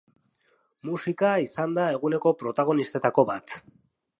Musika izan da eguneko protagonistetako bat.